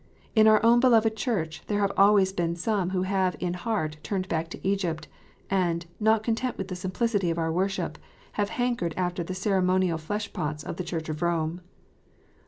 In our own beloved Church there have always been some who have in heart turned back to Egypt, and, not content with the simplicity of our worship, have hankered after the ceremonial fleshpots of the Church of Kome.